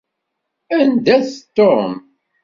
Anda-t Tom?